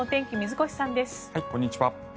こんにちは。